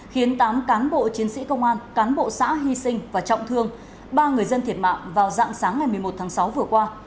khiến tám cán bộ chiến sĩ công an cán bộ xã hy sinh và trọng thương ba người dân thiệt mạng vào dạng sáng ngày một mươi một tháng sáu vừa qua